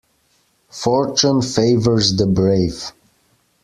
Fortune favours the brave.